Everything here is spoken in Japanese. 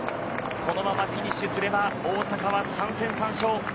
このままフィニッシュすれば大阪は３戦３勝。